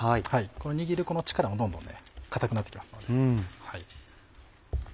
握る力もどんどん硬くなってきますので。